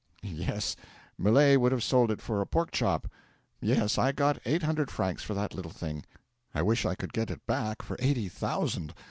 'Yes. Millet would have sold it for a pork chop. Yes, I got eight hundred francs for that little thing. I wish I could get it back for eighty thousand.